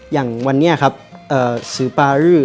อย่างวันเนี่ยครับสุปรรือ